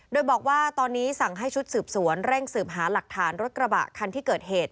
โดยบอกว่าตอนนี้สั่งให้ชุดสืบสวนเร่งสืบหาหลักฐานรถกระบะคันที่เกิดเหตุ